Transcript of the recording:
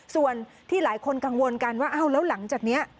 ส่วนที่หลายคนกังวลกันว่าอ้าวแล้วหลังจากนี้